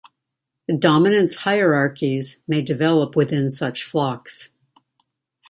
Dominance hierarchies may develop within such flocks.